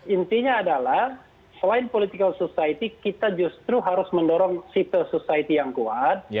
intinya adalah selain political society kita justru harus mendorong civil society yang kuat